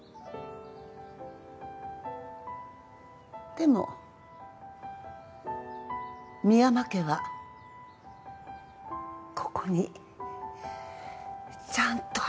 でも深山家はここにちゃんとある。